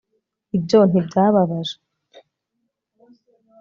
ibyo ntibyababaje